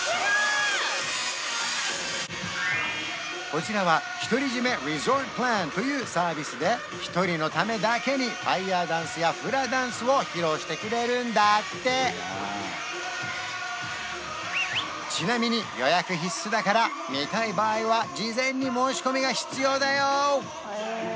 こちらはというサービスで１人のためだけにファイヤーダンスやフラダンスを披露してくれるんだってちなみに予約必須だから見たい場合は事前に申し込みが必要だよ！